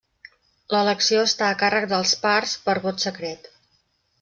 L'elecció està a càrrec dels pars per vot secret.